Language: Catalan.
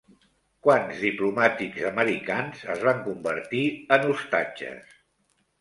Quants diplomàtics americans es van convertir en ostatges?